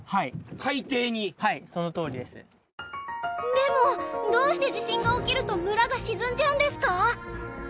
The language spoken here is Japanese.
でもどうして地震が起きると村が沈んじゃうんですか？